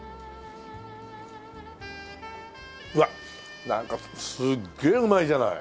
うわっなんかすっげえうまいじゃない！